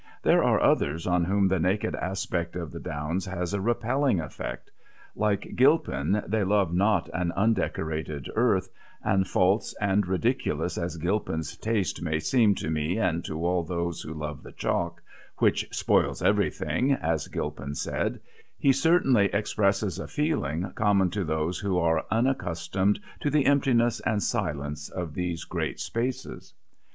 There are others on whom the naked aspect of the downs has a repelling effect. Like Gilpin they love not an undecorated earth; and false and ridiculous as Gilpin's taste may seem to me and to all those who love the chalk, which "spoils everything" as Gilpin said, he certainly expresses a feeling common to those who are unaccustomed to the emptiness and silence of these great spaces.